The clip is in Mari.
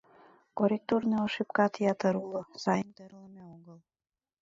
Корректурный ошибкат ятыр уло, сайын тӧрлымӧ огыл.